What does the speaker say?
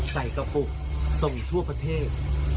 ใส่กระปุกส่งทั่วประเทศ